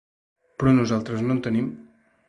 Però nosaltres no en tenim.